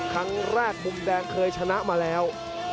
ครั้งแรกมุมแดงเคยชนะมาแล้ว